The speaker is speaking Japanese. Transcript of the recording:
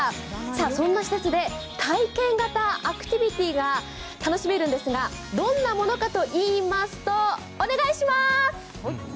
そんな施設で体験型アクティビティーが楽しめるんですがどんなものかといいますと、お願いします。